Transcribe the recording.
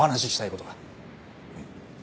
うん。